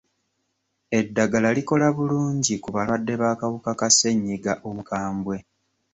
Eddagala likola bulungi ku balwadde b'akawuka ka ssenyiga omukambwe?